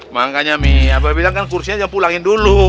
makanya mi abah bilang kan kursinya aja pulangin dulu